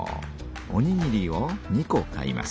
おにぎりを２こ買います。